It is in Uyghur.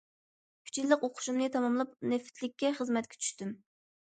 ئۈچ يىللىق ئوقۇشۇمنى تاماملاپ نېفىتلىككە خىزمەتكە چۈشتۈم.